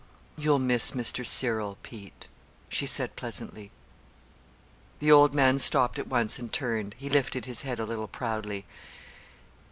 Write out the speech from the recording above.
"You'll miss Mr. Cyril, Pete," she said pleasantly. The old man stopped at once and turned. He lifted his head a little proudly.